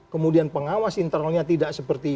kemudian pengawas internalnya tidak seperti